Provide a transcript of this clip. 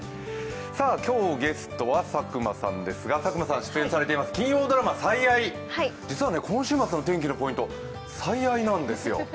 今日のゲストは佐久間さんですが、佐久間さんが出演されている金曜ドラマ「最愛」、実は今週末の天気のポイント、さいあいなんですよ。